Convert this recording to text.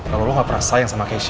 kalau lo gak pernah sayang sama cash